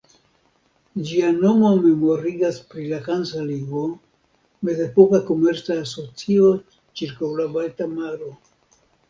Ĝia nomo memorigas pri la Hansa ligo, mezepoka komerca asocio ĉirkaŭ la Balta Maro.